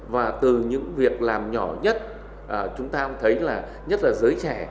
và từ những việc làm nhỏ nhất chúng ta cũng thấy là nhất là giới trẻ